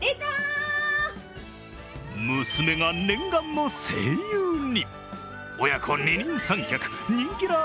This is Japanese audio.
娘が念願の声優に。